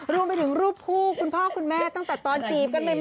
รวมไปถึงรูปคู่คุณพ่อคุณแม่ตั้งแต่ตอนจีบกันใหม่